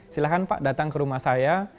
silahkan pak datang ke rumah saya